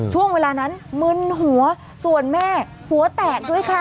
ช่วงเวลานั้นมึนหัวส่วนแม่หัวแตกด้วยค่ะ